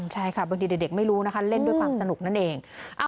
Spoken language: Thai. ใช่ค่ะบางทีเด็กไม่รู้นะคะเล่นด้วยความสนุกนั่นเอง